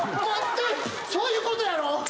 そういうことやろ？